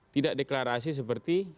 tidak deklarasi seperti